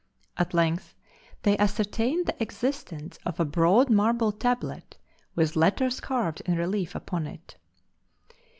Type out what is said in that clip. At length they ascertained the existence of a broad marble tablet, with letters carved in relief upon it.